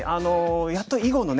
やっと囲碁のね